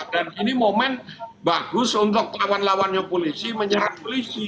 dan ini momen bagus untuk lawan lawannya polisi menyerang polisi